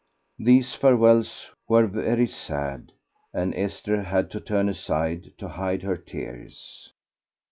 These farewells were very sad, and Esther had to turn aside to hide her tears.